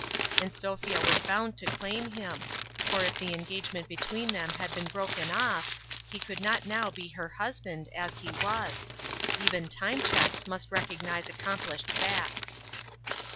Arid Sophia was bound to claim him ; for if the en gagement between them had been broken off, he could not now be her husband, as he was. Even Time Cheques must recognize accom plished facts.